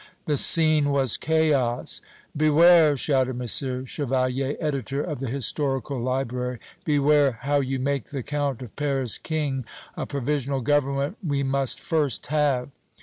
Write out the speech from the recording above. The scene was chaos! "Beware!" shouted M. Chevalier, editor of the Historical Library. "Beware how you make the Count of Paris King! A provisional government we must first have!"